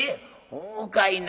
「ほうかいな。